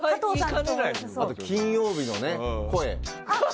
あと金曜日の声。